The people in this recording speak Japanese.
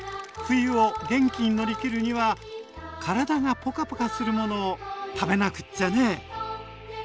冬を元気に乗り切るには体がポカポカするものを食べなくっちゃねえ。